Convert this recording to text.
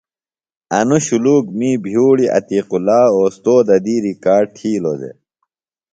انوۡ شُلوک می بھئیوڑی عتیق اللہ اوستوذہ دی ریکارڈ تھیلوۡ دےۡ